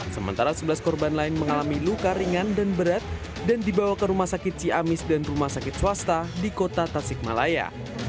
sementara sebelas korban lain mengalami luka ringan dan berat dan dibawa ke rumah sakit ciamis dan rumah sakit swasta di kota tasikmalaya